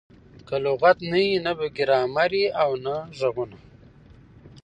که لغت نه يي؛ نه به ګرامر يي او نه ږغونه.